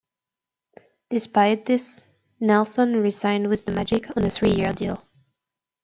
Despite this, Nelson re-signed with the Magic on a three-year deal.